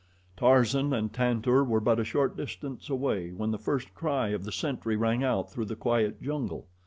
Tarzan and Tantor were but a short distance away when the first cry of the sentry rang out through the quiet jungle.